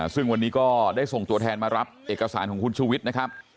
ซึ่งวันนี้ก็ได้ส่งตัวแทนมารับเอกสารของคุณชูวิทย์นะครับ